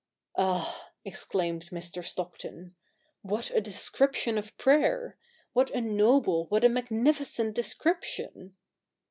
'Ah,' exclaimed Mr. Stockton, 'what a description of prayer ! What a noble, what a magnificent descrip tion